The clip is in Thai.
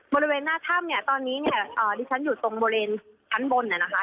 บริเวณหน้าถ้ำเนี่ยตอนนี้เนี่ยดิฉันอยู่ตรงบริเวณชั้นบนนะคะ